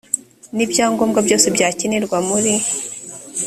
n ibyangombwa byose byakenerwa muri